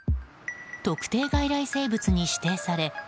特定外来生物に指定され